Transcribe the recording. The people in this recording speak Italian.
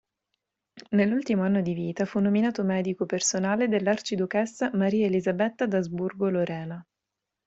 Nell'ultimo anno di vita fu nominato medico personale dell'arciduchessa Maria Elisabetta d'Asburgo-Lorena.